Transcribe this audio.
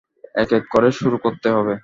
এক এক করে শুরু করতে হবে।